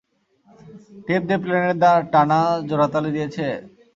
Tape দিয়ে প্লেনের ডানা জোড়াতালি দিয়েছে?